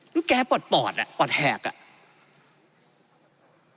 แล้วแกปลอดปลอดอ่ะปลอดแหกน่ะ